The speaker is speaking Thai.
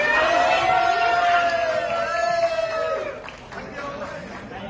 ขอบคุณภาพให้กับคุณผู้ฝ่าย